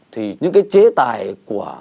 thì những cái chế tài của